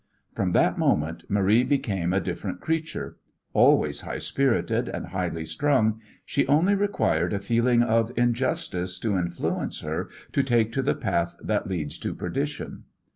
From that moment Marie became a different creature. Always high spirited and highly strung, she only required a feeling of injustice to influence her to take to the path that leads to perdition.